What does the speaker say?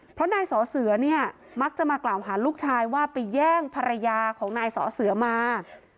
เพราะนายสอเสือเนี่ยมักจะมากล่าวหาลูกชายว่าไปแย่งภรรยาของนายสอเสือมา